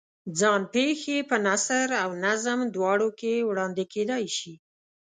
ځان پېښې په نثر او نظم دواړو کې وړاندې کېدای شي.